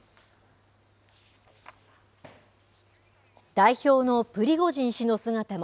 代表のプリゴジン氏の姿も。